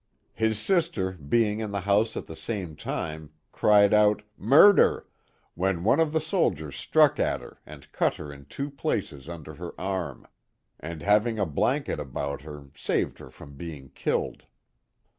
His sister, being in the house at the same time, cried out *' murder," when one of the soldiers struck at her and cut her in two places under her arm; and having a blanket about her saved her from being killed.